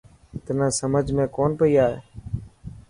تنان سمجهه ۾ ڪون پئي آڻي.